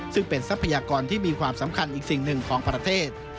ซึ่งเป็นทรัพยากรที่มีความสำคัญอีกสิ่งหนึ่งของประเทศ